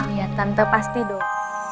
iya tante pasti dong